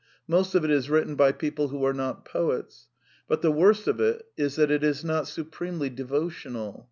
Most of it is written by people who are not poet a. y ' But the worst of it is that it is not supremely devotional.